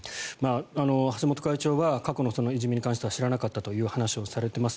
橋本会長は過去のいじめに関しては知らなかったという話をされています。